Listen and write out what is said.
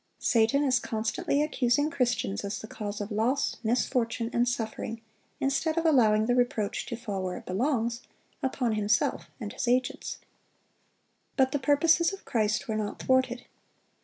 Satan is constantly accusing Christians as the cause of loss, misfortune, and suffering, instead of allowing the reproach to fall where it belongs,—upon himself and his agents. But the purposes of Christ were not thwarted.